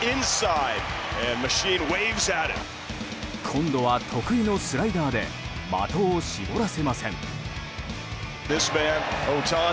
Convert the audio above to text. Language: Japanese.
今度は得意のスライダーで的を絞らせません。